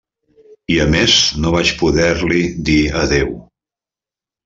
I a més no vaig poder-li dir adéu.